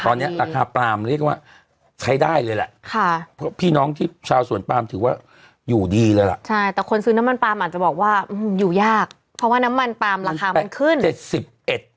ตอนนี้ราคาปลามเรียกว่าใช้ได้เลยแหละค่ะเพราะพี่น้องที่ชาวสวนปามถือว่าอยู่ดีเลยล่ะใช่แต่คนซื้อน้ำมันปลามอาจจะบอกว่าอยู่ยากเพราะว่าน้ำมันปลามราคามันขึ้นเจ็ดสิบเอ็ด